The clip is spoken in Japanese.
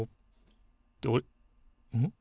ってあれ？